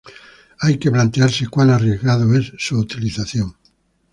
hay que plantearse cuán arriesgado es su utilización